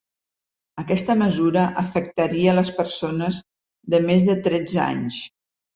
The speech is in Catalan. Aquesta mesura afectaria les persones de més de tretze anys.